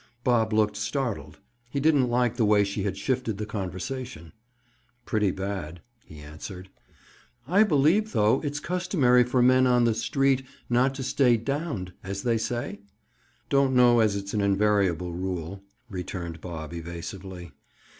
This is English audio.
Bob looked startled. He didn't like the way she had shifted the conversation. "Pretty bad," he answered. "I believe, though, it's customary for men on the 'street' not to stay 'downed,' as they say?" "Don't know as it's an invariable rule," returned Bob evasively.